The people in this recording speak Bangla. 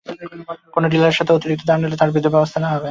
কোনো ডিলার সারের অতিরিক্ত দাম নিলে তাঁর বিরুদ্ধে ব্যবস্থা নেওয়া হবে।